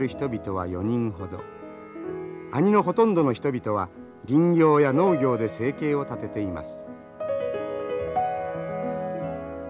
阿仁のほとんどの人々は林業や農業で生計を立てています。